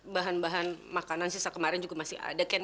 bahan bahan makanan sisa kemarin juga masih ada kan